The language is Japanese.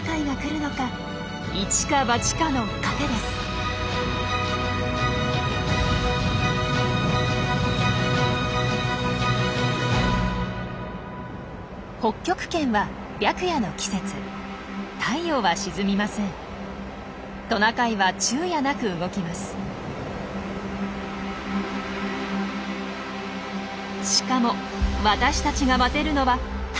しかも私たちが待てるのはたった１点。